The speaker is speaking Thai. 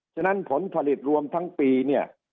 ฉะนั้นผลผลิตรวมทั้งปีเนี่ย